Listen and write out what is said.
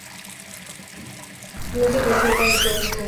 No se conserva de John Rut ningún registro posterior.